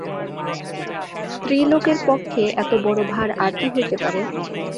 স্ত্রীলোকের পক্ষে এতবড়ো ভার আর কী হইতে পারে!